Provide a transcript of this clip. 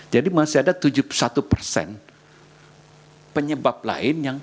jadi masih ada tujuh puluh satu persen penyebab lain yang